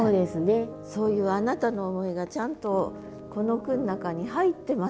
そういうあなたの思いがちゃんとこの句の中に入ってますよ。